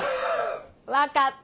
分かった。